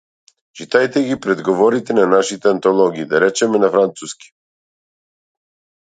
Читајте ги предговорите на нашите антологии, да речеме на француски.